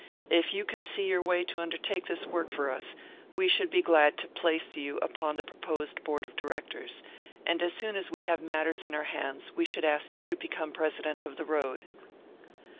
If you can see your way to undertake this work for us, we should be glad to place you upon the proposed board of directors; and as soon as we have matters in our hands, we should ask you to become president of the road."